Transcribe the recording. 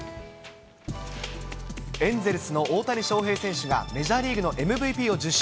エンゼルスの大谷翔平選手がメジャーリーグのＭＶＰを受賞。